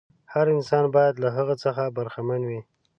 هر انسان باید له هغو څخه برخمن وي.